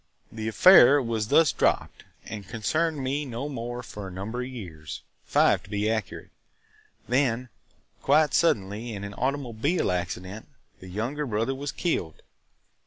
"The affair was thus dropped and concerned me no more for a number of years – five, to be accurate. Then, quite suddenly, in an automobile accident, the younger brother was killed.